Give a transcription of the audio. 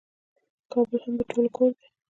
کابل هم د ټولو کور دی.